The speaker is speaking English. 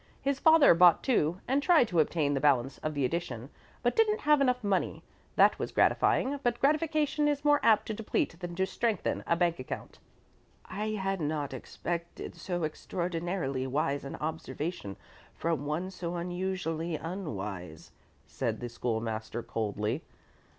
His father bought two, and tried to obtain the balance of the edition, but didn't have enough money. That was gratifying, but gratification is more apt to deplete than to strengthen a bank account." "I had not expected so extraordinarily wise an observation from one so unusually unwise," said the School master, coldly.